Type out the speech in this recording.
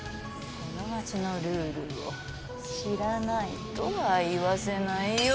この街のルールを知らないとは言わせないよ。